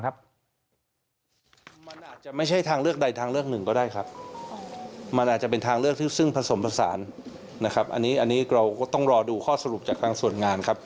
มันอาจจะไม่ใช่ทางเลือกใดทางเลือกหนึ่งก็ได้ครับมันอาจจะเป็นทางเลือกที่ซึ่งผสมผสานนะครับอันนี้เราก็ต้องรอดูข้อสรุปจากทางส่วนงานครับ